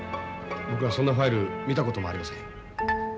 僕はそんなファイル見たこともありません。